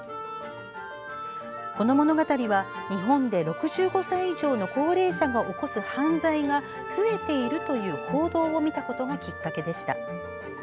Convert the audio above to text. この物語は、日本で６５歳以上の高齢者が起こす犯罪が増えているという報道を見たことがきっかけでした。